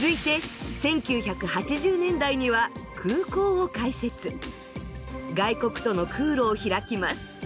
続いて外国との空路を開きます。